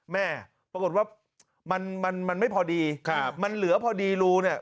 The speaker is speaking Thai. แม่ปรากฏว่ามันมันไม่พอดีครับมันเหลือพอดีรูเนี่ย